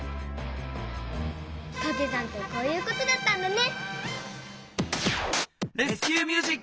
かけ算ってこういうことだったんだね！